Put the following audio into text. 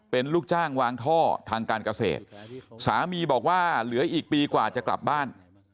เป็นลูกจ้างวางท่อทางการเกษตรสามีบอกว่าเหลืออีกปีกว่าจะกลับบ้าน